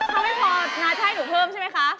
ถ้าไม่พอนะใช่หนูเพิ่มใช่ไหมคะ